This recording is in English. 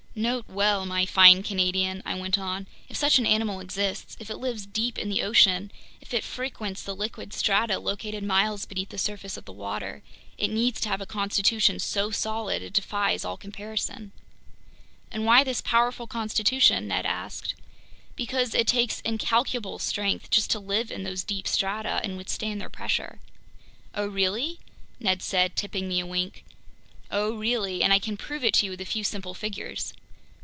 "Note well, my fine Canadian," I went on, "if such an animal exists, if it lives deep in the ocean, if it frequents the liquid strata located miles beneath the surface of the water, it needs to have a constitution so solid, it defies all comparison." "And why this powerful constitution?" Ned asked. "Because it takes incalculable strength just to live in those deep strata and withstand their pressure." "Oh really?" Ned said, tipping me a wink. "Oh really, and I can prove it to you with a few simple figures."